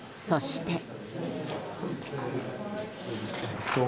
そして。